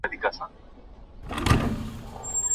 ایا نوي کروندګر کاغذي بادام ساتي؟